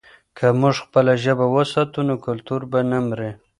که موږ خپله ژبه وساتو، نو کلتور به نه مري.